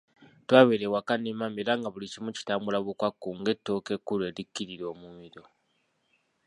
Twabeera ewaka ne mami era nga buli kimu kitambula bukwakku ng'ettooke ekkulu erikkirira omumiro.